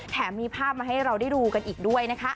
แถมมีภาพมาให้เราได้ดูกันอีกด้วยนะคะ